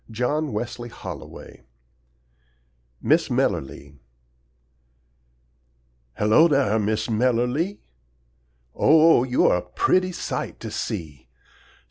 John Wesley Holloway MISS MELERLEE Hello dar, Miss Melerlee! Oh, you're pretty sight to see!